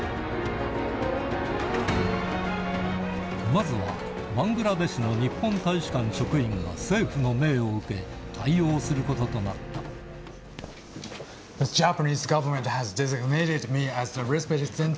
まずはバングラデシュの日本大使館職員が政府の命を受け対応することとなったうん。